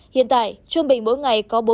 hiện tại trung bình mỗi ngày có bốn mươi